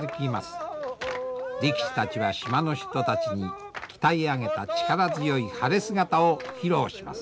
力士たちは島の人たちに鍛え上げた力強い晴れ姿を披露します。